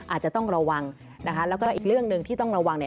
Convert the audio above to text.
อาจจะต้องระวังนะคะแล้วก็อีกเรื่องหนึ่งที่ต้องระวังเนี่ย